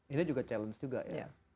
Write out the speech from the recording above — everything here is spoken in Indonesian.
ini juga challenge juga ya